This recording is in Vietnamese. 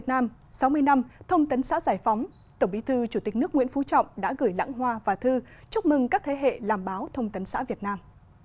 tổng bí thư chủ tịch nước nguyễn phú trọng đã gửi lãng hoa và thư chúc mừng các thế hệ làm báo thông tấn xã việt nam